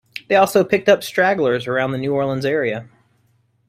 They also picked up stragglers around the New Orleans area.